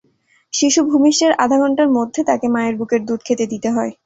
শিশু ভূমিষ্ঠের আধা ঘণ্টার মধ্যে তাকে মায়ের বুকের দুধ খেতে দিতে হয়।